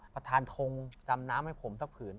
ประธานทงดำน้ำให้ผมสักผืน